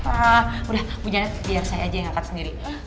hah udah bu janet biar saya aja yang angkat sendiri